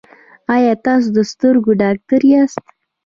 ایا تاسو د سترګو ډاکټر یاست؟